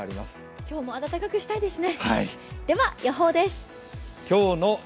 今日も暖かくしたいですね。